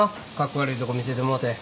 悪いとこ見せてもうて。